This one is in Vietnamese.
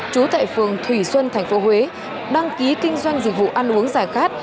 trú tại phường thủy xuân tp huế đăng ký kinh doanh dịch vụ ăn uống giải khát